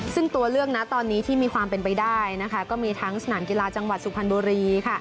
ซึ่งตัวเลือกนะตอนนี้ที่มีความเป็นไปได้ก็มีทั้งสนามกีฬาจังหวัดสุพรรณบุรี